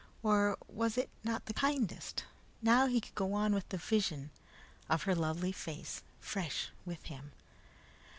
Or was it not the kindest? Now he could go with the vision of her lovely face fresh with him.